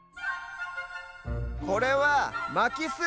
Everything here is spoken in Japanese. これは「まきす」。